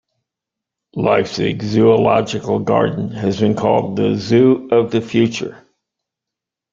Leipzig Zoological Garden has been called the "Zoo of the future".